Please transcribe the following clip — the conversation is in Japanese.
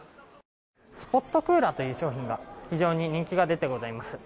スポットクーラーという商品が人気が出ています。